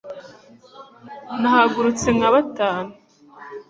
nahagurutse nka batanu